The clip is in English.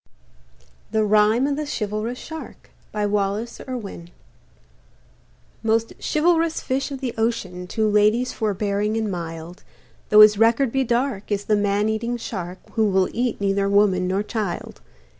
HE RHYME OF THE CHIVALROUS SHARK BY WALLACE IRWIN Most chivalrous fish of the ocean, To ladies forbearing and mild, Though his record be dark, is the man eating shark Who will eat neither woman nor child.